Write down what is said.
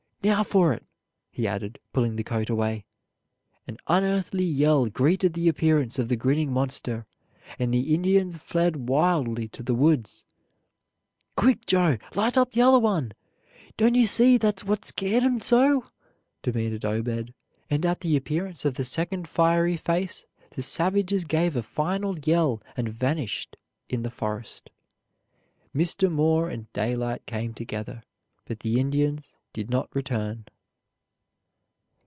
"Now for it!" he added, pulling the coat away. An unearthly yell greeted the appearance of the grinning monster, and the Indians fled wildly to the woods. "Quick, Joe! Light up the other one! Don't you see that's what scar't 'em so?" demanded Obed; and at the appearance of the second fiery face the savages gave a final yell and vanished in the forest. Mr. Moore and daylight came together, but the Indians did not return.